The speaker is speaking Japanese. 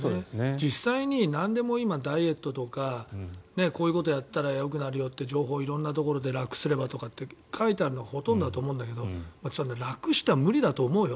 実際になんでも今ダイエットとかこういうことをやったらよくなるよって情報を色々なところで書いてあるのがほとんどだと思うんですが楽しては無理だと思うよ。